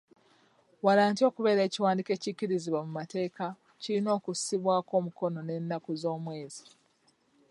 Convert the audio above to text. Waalanti okubeera ekiwandiiko ekikkirizibwa mu mateeka kirina okussibwako omukono n'ennaku z'omwezi.